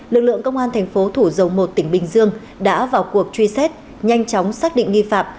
lực lượng công an tp hcm đã vào cuộc truy xét nhanh chóng xác định nghi phạm